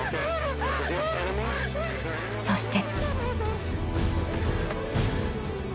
［そして］